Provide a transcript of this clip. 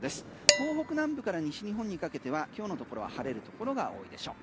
東北南部から西日本にかけては今日のところは晴れるところが多いでしょう。